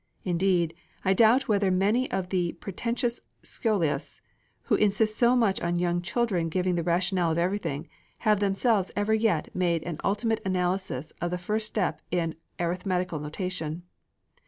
Indeed I doubt whether many of the pretentious sciolists, who insist so much on young children giving the rationale of everything, have themselves ever yet made an ultimate analysis of the first step in arithmetical notation.